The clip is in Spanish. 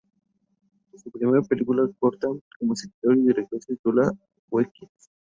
Su primera película corta, como escritor y director, se titula "We Kid".